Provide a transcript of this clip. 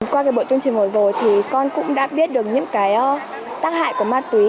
qua cái buổi tuyên truyền vừa rồi thì con cũng đã biết được những cái tác hại của ma túy